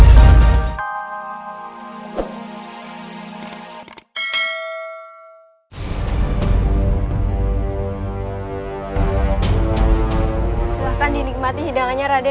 silahkan dinikmati hidangannya rade